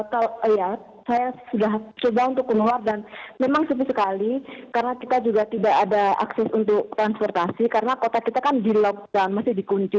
saya sudah sudah untuk keluar dan memang sepi sekali karena kita juga tidak ada akses untuk transportasi karena kota kita kan di lock dan masih di kunci